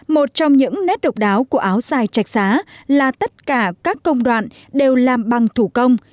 một trong những nét độc đáo của áo dài chạch xá là tất cả các công đoạn đều làm bằng thủ công